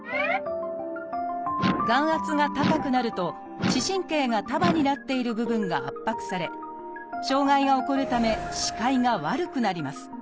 眼圧が高くなると視神経が束になっている部分が圧迫され障害が起こるため視界が悪くなります。